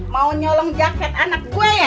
mau nyolong jaket anak gue ya